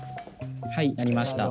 はいありました。